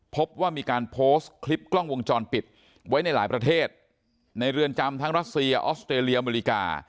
พบว่ามีการโพสต์คลิปกล้องวงจรปิดไว้ในหลายประเทศในเรือนจำทั้งรัสเซียออสเตรเลียอเมริกา